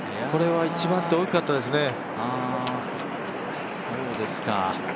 これは１番手大きかったですね。